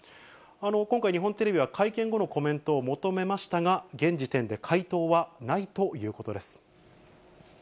今回、日本テレビは会見後のコメントを求めましたが、現時点で回答はないということです。